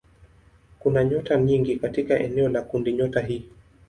Kuna nyota nyingi katika eneo la kundinyota hii.